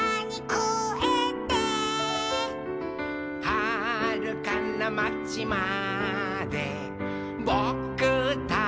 「はるかなまちまでぼくたちの」